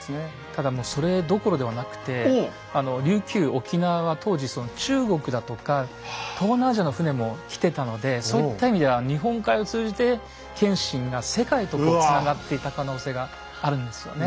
ただもうそれどころではなくて琉球沖縄は当時中国だとか東南アジアの船も来てたのでそういった意味では日本海を通じて謙信が世界とつながっていた可能性があるんですよね。